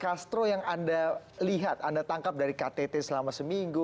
castro yang anda lihat anda tangkap dari ktt selama seminggu